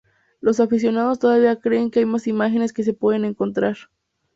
Los aficionados todavía creen que hay más imágenes que se pueden encontrar.